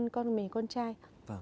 con mình con trai